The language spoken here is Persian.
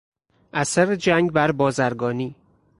اثر جنگ بر بازرگانی